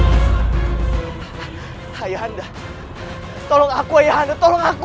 kayak anda tolong aku ayah anda tolong aku